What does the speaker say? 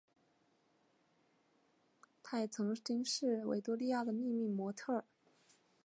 她也曾经是维多利亚的秘密的模特儿。